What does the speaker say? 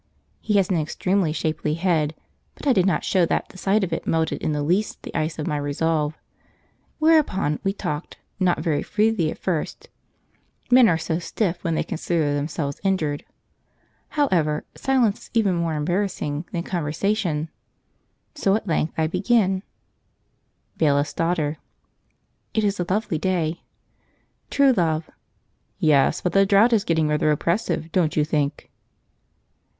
He has an extremely shapely head, but I did not show that the sight of it melted in the least the ice of my resolve; whereupon we talked, not very freely at first, men are so stiff when they consider themselves injured. However, silence is even more embarrassing than conversation, so at length I begin: Bailiff's Daughter. "It is a lovely day." True Love. "Yes, but the drought is getting rather oppressive, don't you think?"